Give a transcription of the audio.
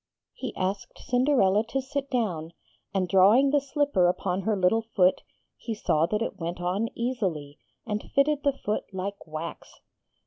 ] He asked Cinderella to sit down, and drawing the slipper upon her little foot, he saw that it went on easily, and fitted the foot like wax.